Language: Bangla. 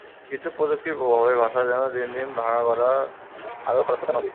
কিন্তু প্রযুক্তির প্রভাবে ভাষা যেন দিন দিন ভাঙা-গড়ার আরও খরস্রোতা নদী।